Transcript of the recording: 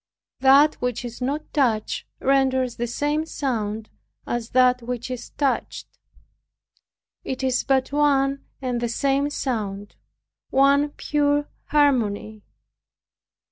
That which is not touched renders the same sound as that which is touched; it is but one and the same sound, one pure harmony.